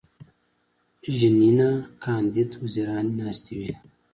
ژینینه کاندید وزیرانې ناستې وې.